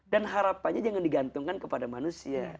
dan harapannya jangan digantungkan kepada manusia